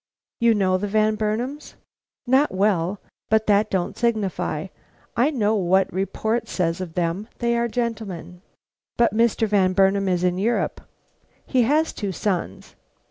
"You know the Van Burnams?" "Not well. But that don't signify. I know what report says of them; they are gentlemen." "But Mr. Van Burnam is in Europe." "He has two sons."